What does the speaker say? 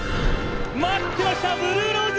「待ってましたブルーローズ！